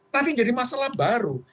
nanti jadi masalah baru